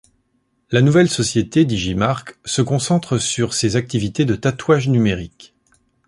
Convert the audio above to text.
La nouvelle société Digimarc se concentre sur ses activités de tatouage numérique.